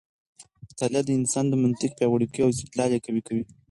مطالعه د انسان منطق پیاوړی کوي او استدلال یې قوي کوي.